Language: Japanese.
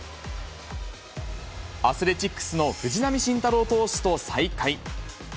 アスレチックスの藤浪晋太郎投手と再会。